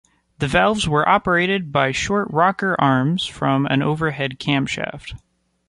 The valves were operated by short rocker arms from an overhead camshaft.